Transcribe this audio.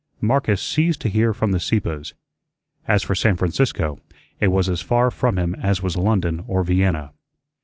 Marcus ceased to hear from the Sieppes. As for San Francisco, it was as far from him as was London or Vienna.